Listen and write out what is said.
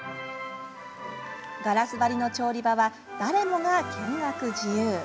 ガラス張りの調理場は誰もが見学自由。